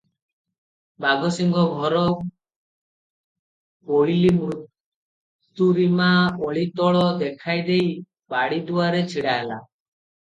ବାଘସିଂହ ଘର ପୋଇଲୀ ମୃତୁରୀମା ଓଳିତଳ ଦେଖାଇଦେଇ ବାଡ଼ିଦୁଆରେ ଛିଡ଼ାହେଲା ।